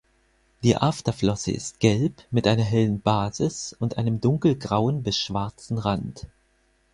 Die Afterflosse ist gelb mit einer hellen Basis und einem dunkelgrauen bis schwarzen Rand.